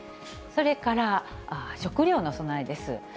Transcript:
それから食料の備えです。